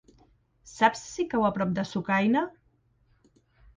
Saps si cau a prop de Sucaina?